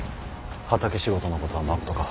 畑仕事のことはまことか。